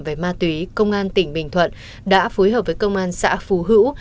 về ma túy công an tỉnh bình thuận đã phối hợp với công an xã phú hữu